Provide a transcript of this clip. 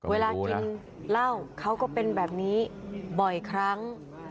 เวลากินเหล้าเขาก็เป็นแบบนี้บ่อยครั้ง